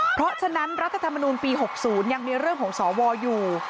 เพราะฉะนั้นรัฐธรรมนูลปี๖๐ยังมีเรื่องของสวอยู่